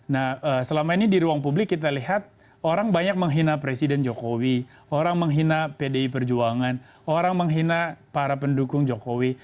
nah selama ini di ruang publik kita lihat orang banyak menghina presiden jokowi orang menghina pdi perjuangan orang menghina para pendukung jokowi